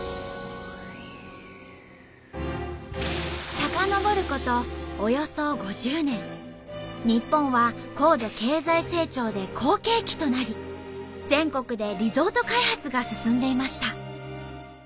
遡ること日本は高度経済成長で好景気となり全国でリゾート開発が進んでいました。